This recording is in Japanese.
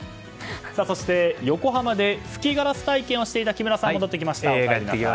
そして横浜で吹きガラス体験をしていた木村さんが戻ってきました。